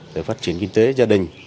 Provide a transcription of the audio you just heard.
để phát triển kinh tế gia đình